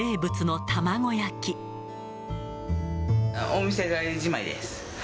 お店じまいです。